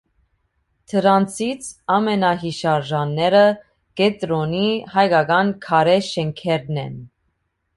Դրանցից ամենահիշարժանները կենտրոնի հայկական քարե շենքերն են։